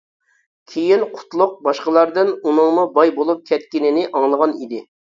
كېيىن قۇتلۇق باشقىلاردىن ئۇنىڭمۇ باي بولۇپ كەتكىنىنى ئاڭلىغان ئىدى.